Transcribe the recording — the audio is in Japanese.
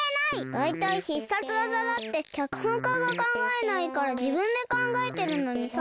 だいたい必殺技だってきゃくほんかがかんがえないからじぶんでかんがえてるのにさ。